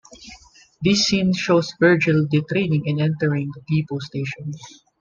This scene shows Virgil detraining and entering the depot station.